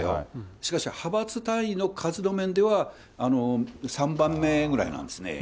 しかし派閥単位の数の面では、３番目ぐらいなんですね。